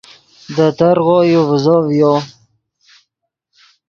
دے ترغو یو ڤیزو ڤیو